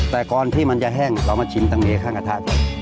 แต่ก่อนที่มันจะแห้งเรามาชิมตรงนี้ข้างกระทะ